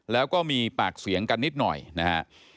แล้วก็มีปากเสียงกันนิดหน่อยนะฮะ